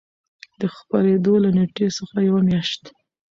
د خپرېدو له نېټې څخـه یـوه میاشـت